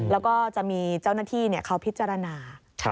แล้วก็จะมีเจ้าหน้าที่เขาพิจารณา